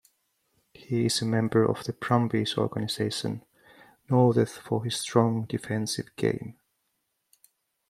He is a member of the Brumbies organisation, noted for his strong defensive game.